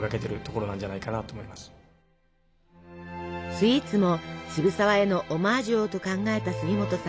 スイーツも渋沢へのオマージュをと考えた杉本さん。